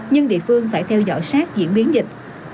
nhưng địa phương phải theo dõi sát diễn biến dịch